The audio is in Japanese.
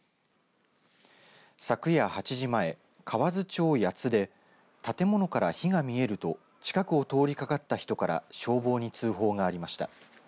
昨夜８時前河津町谷津で建物から火が見えると近くを通りかかった人から消防に通報がありました。